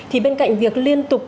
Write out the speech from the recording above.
thì bên cạnh việc liên tục